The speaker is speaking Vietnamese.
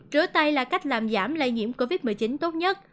rửa tay là cách làm giảm lây nhiễm covid một mươi chín tốt nhất